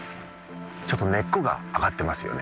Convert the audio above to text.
ちょっと根っこが上がってますよね？